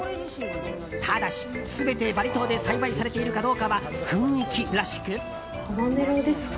ただし、全てバリ島で栽培されているかどうかは雰囲気らしく。